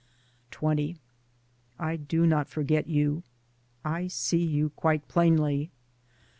XX vv I do not forget you : I see you quite plainly.